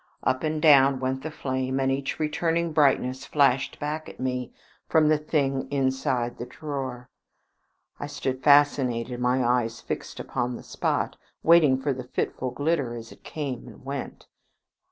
Up and down went the flame, and each returning brightness flashed back at me from the thing inside the drawer. I stood fascinated, my eyes fixed upon the spot, waiting for the fitful glitter as it came and went.